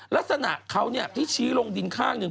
ลักษณะเขาที่ชี้ลงดินข้างหนึ่ง